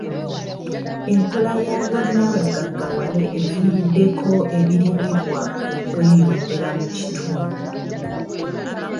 Enkola ya bonnabagaggawale eviiriddeko ebirimibwa okweyongera mu kitundu.